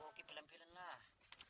oke oke pelan pelanlah